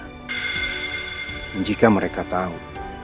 dan jika mereka tau